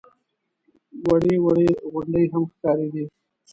وړې وړې غونډۍ هم ښکارېدې.